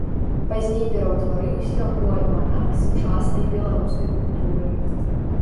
Пазней пераўтварыўся ў альманах сучаснай беларускай культуры.